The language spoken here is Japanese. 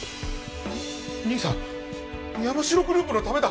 兄さん山城グループのためだ